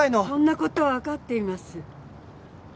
そんな事はわかっています。